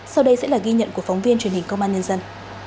sau đây sẽ là ghi nhận của phóng viên truyền hình công an nhân dân